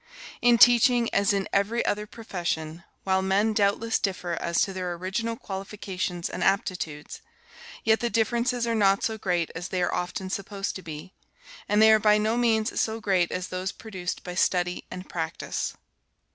In teaching, as in every other profession, while men doubtless differ as to their original qualifications and aptitudes, yet the differences are not so great as they are often supposed to be, and they are by no means so great as those produced by study and practice.